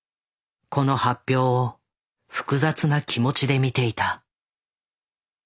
この発表を複雑な気持ちで見ていた。